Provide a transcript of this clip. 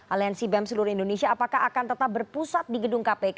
aliansi bem seluruh indonesia apakah akan tetap berpusat di gedung kpk